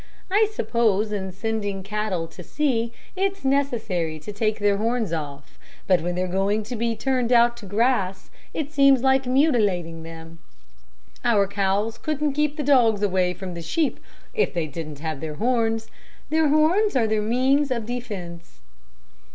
I suppose in sending cattle to sea, it's necessary to take their horns off, but when they're going to be turned out to grass, it seems like mutilating them. Our cows couldn't keep the dogs away from the sheep if they didn't have their horns. Their horns are their means of defense."